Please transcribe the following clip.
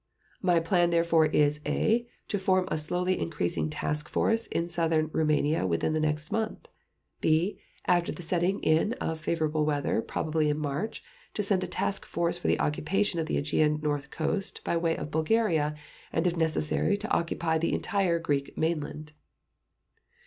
My plan therefore is (a) to form a slowly increasing task force in Southern Rumania within the next month, (b) after the setting in of favorable weather, probably in March, to send a task force for the occupation of the Aegean north coast by way of Bulgaria and if necessary to occupy the entire Greek mainland."